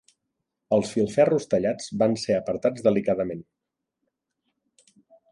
Els filferros tallats van ser apartats delicadament